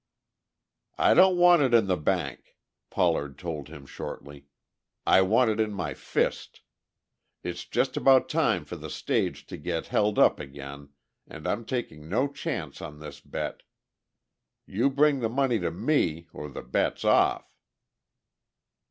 "I don't want it in the bank," Pollard told him shortly. "I want it in my fist! It's just about time for the stage to get held up again, and I'm taking no chances on this bet. You bring the money to me or the bet's off."